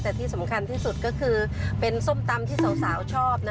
แต่ที่สำคัญที่สุดก็คือเป็นส้มตำที่สาวชอบ